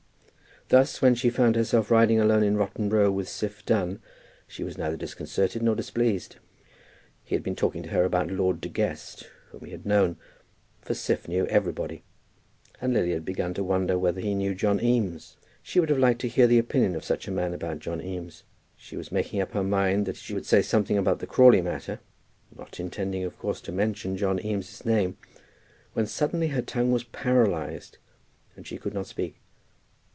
Thus when she found herself riding alone in Rotten Row with Siph Dunn, she was neither disconcerted nor displeased. He had been talking to her about Lord De Guest, whom he had known, for Siph knew everybody, and Lily had begun to wonder whether he knew John Eames. She would have liked to hear the opinion of such a man about John Eames. She was making up her mind that she would say something about the Crawley matter, not intending of course to mention John Eames's name, when suddenly her tongue was paralyzed and she could not speak.